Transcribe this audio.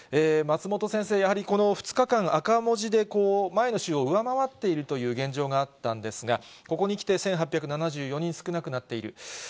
松本先生、やはりこの２日間、赤文字で前の週を上回っているという現状があったんですが、ここにきて１８７４人少なくなっている。